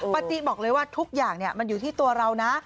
ปฏิบอกเลยว่าทุกอย่างมันอยู่ที่ตัวเรานะ